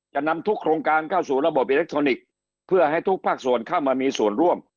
จะนำทุกโครงการเข้าสู่ระบบอิเล็กทรอนิกส์เพื่อให้ทุกภาคส่วนเข้ามามีส่วนร่วม